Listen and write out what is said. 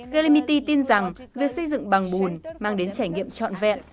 galimity tin rằng việc xây dựng bằng bùn mang đến trải nghiệm chọn vật